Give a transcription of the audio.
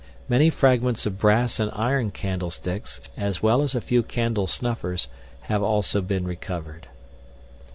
Many fragments of brass and iron candlesticks, as well as a few candle snuffers, have also been recovered.